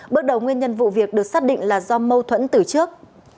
bước đầu nguyên nhân vụ việc được xác định là do mâu thuẫn từ trước